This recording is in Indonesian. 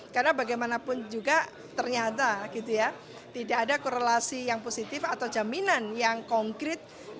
karena bagaimanapun juga ternyata tidak ada korelasi yang positif atau jaminan yang konkret